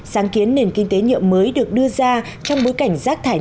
sáng kiến nền kinh tế nhựa mới được đưa ra trong bối cảnh rác thảnh